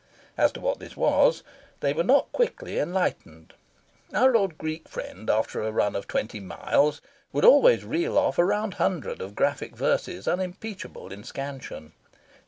As to what this was, they were not quickly enlightened. Our old Greek friend, after a run of twenty miles, would always reel off a round hundred of graphic verses unimpeachable in scansion.